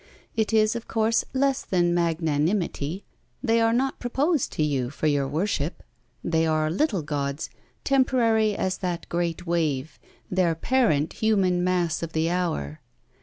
It is of course less than magnanimity; they are not proposed to you for your worship; they are little Gods, temporary as that great wave, their parent human mass of the hour.